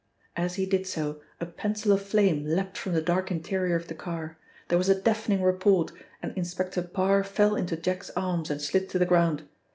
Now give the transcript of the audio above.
As he did so a pencil of flame leapt from the dark interior of the car; there was a deafening report, and Inspector Parr fell into Jack's arms and slid to the ground.